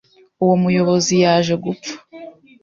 Uwo muyobozi yaje gupfa